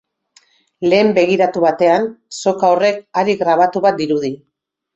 Lehen begiratu batean, soka horrek hari grabatu bat dirudi.